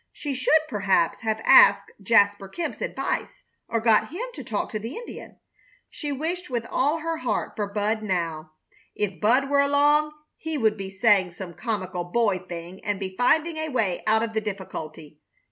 She should, perhaps, have asked Jasper Kemp's advice, or got him to talk to the Indian. She wished with all her heart for Bud, now. If Bud were along he would be saying some comical boy thing, and be finding a way out of the difficulty.